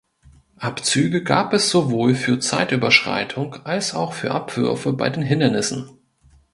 Abzüge gab es sowohl für Zeitüberschreitung als auch für Abwürfe bei den Hindernissen.